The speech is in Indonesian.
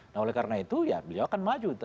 nah oleh karena itu ya beliau akan maju